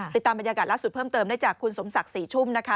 ติดตามบรรยากาศล่าสุดเพิ่มเติมได้จากคุณสมศักดิ์ศรีชุ่มนะคะ